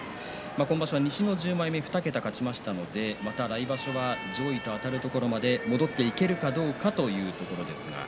今場所は西の１０枚目で２桁勝ちましたので来場所は上位とあたるところまで戻っていけるかどうかというところです。